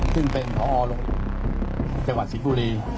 ซึ่งเป็นพอลงจังหวัดสิงห์บุรี